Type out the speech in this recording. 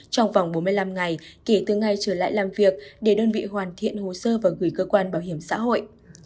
trong vòng bốn mươi năm ngày kể từ ngày trở lại làm việc để đơn vị hoàn thiện hồ sơ và gửi cơ quan bảo hiểm xã hội